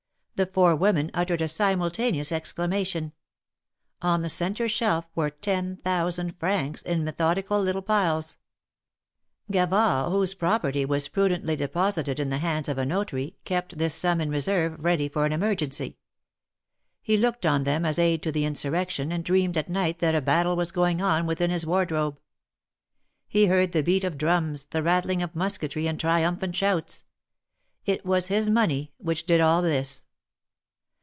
The four women uttered a simultaneous exclamation. On the centre shelf were ten thousand francs, in method ical little piles. Gavard, whose property was prudently deposited in the hands of a notary, kept this sura in reserve, ready for an emergency. He looked on them as aid to the insurrection, and dreamed at night that a battle was going on within his wardrobe. He heard the beat of drums, the rattling of musketry and triumphant shouts — it was his money which did all this.